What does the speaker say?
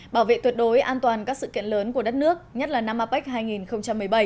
bảo vệ tuyệt đối an toàn các sự kiện lớn của đất nước nhất là năm apec hai nghìn một mươi bảy